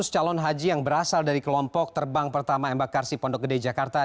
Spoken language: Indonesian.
lima ratus calon haji yang berasal dari kelompok terbang pertama embak karsi pondok gede jakarta